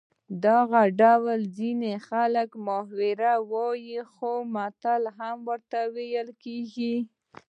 دغه ډول ته ځینې خلک محاوره وايي خو متل هم ورته ویل کېږي